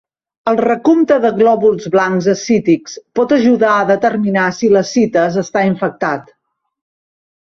El recompte de glòbuls blancs ascítics pot ajudar a determinar si l'ascites està infectat.